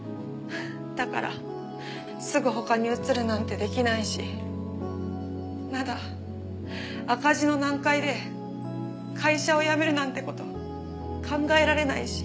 だからすぐ他に移るなんてできないしまだ赤字の段階で会社を辞めるなんて事考えられないし。